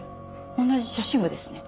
同じ写真部ですね。